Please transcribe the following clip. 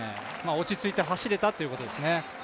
落ち着いて走れたということですね。